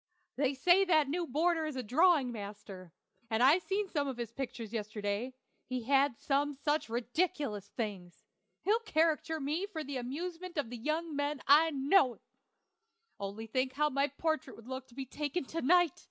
They say that new boarder is a drawing master, and I seen some of his pictures yesterday; he had some such ridiculous things. He'll caricature me for the amusement of the young men, I know. Only think how my portrait would look taken to night!